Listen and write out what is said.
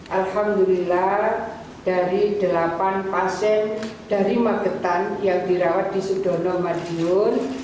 alhamdulillah dari delapan pasien dari magetan yang dirawat di sudono madiun